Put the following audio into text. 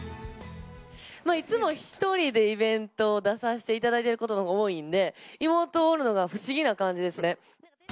いつも１人でイベント出させていただいていることのほうが多いんで、妹おるのが不思議な感じですね。